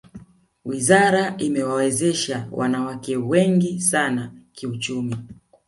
wizara imewawezesha wanawake wengi sana kiuchumi